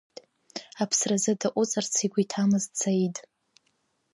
Аԥсразы даҟәыҵырц игәы иҭамызт Саид.